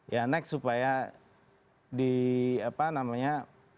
ya next supaya di apa namanya